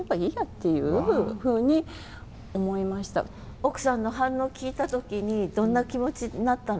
奥さんの反応聞いた時にどんな気持ちになったの？